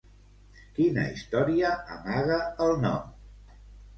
Quina història amaga el nom?